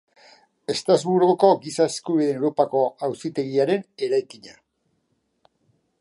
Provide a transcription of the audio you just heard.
Estrasburgoko Giza Eskubideen Europako Auzitegiaren eraikina.